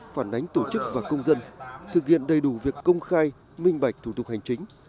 phản ánh tổ chức và công dân thực hiện đầy đủ việc công khai minh bạch thủ tục hành chính